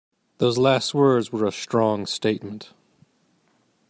Those last words were a strong statement.